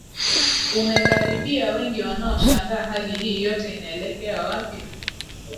umekaribia Wengi wanaoshangaa Hali hii yote inaelekea wapi